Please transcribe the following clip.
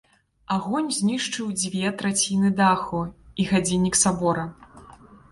Агонь знішчыў дзве траціны даху і гадзіннік сабора.